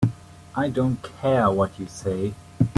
I don't care what you say.